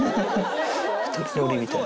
２人乗りみたい。